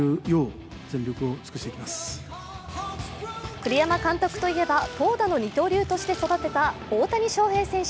栗山監督といえば、投打の二刀流として育てた大谷翔平選手。